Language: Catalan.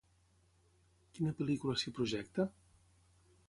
Quina pel·lícula s'hi projecta?